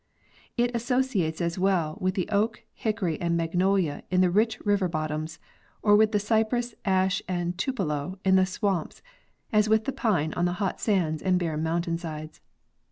* It associates as well with the oak, hickory and magnolia in the rich river hot toms, or with the cypress, ash and tupelo in the swamps, as with the pine on the hot sands and barren mountain sides.